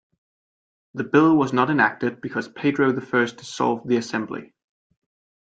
The bill was not enacted because Pedro the First dissolved the Assembly.